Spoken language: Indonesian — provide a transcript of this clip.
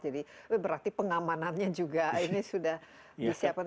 jadi berarti pengamanannya juga ini sudah disiapkan